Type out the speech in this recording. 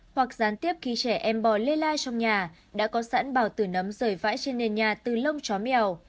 hoặc gián tiếp khi trẻ em bò lê lai trong nhà đã có sẵn bào tử nấm rời vãi trên nền nhà từ lông chó mèo